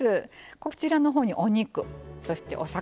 こちらのほうにお肉、そしてお魚。